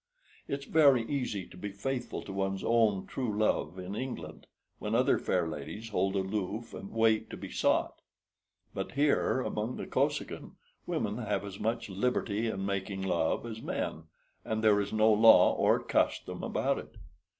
It's very easy to be faithful to one's own true love in England, when other fair ladies hold aloof and wait to be sought; but here among the Kosekin, women have as much liberty in making love as men, and there is no law or custom about it.